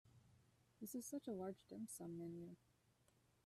This is such a large dim sum menu.